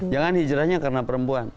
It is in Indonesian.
jangan hijrahnya karena perempuan